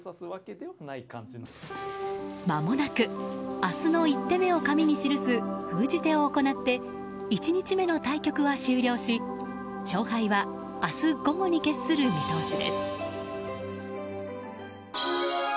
まもなく明日の１手目を紙に記す封じ手を行って１日目の対局は終了し勝敗は明日午後に決する見通しです。